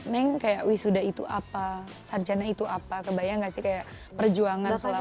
neng kayak wisuda itu apa sarjana itu apa kebayang gak sih kayak perjuangan selama